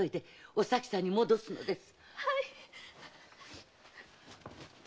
お咲さんに戻るのです。